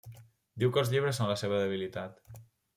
Diu que els llibres són la seva debilitat.